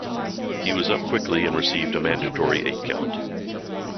He was up quickly and received a mandatory eight-count.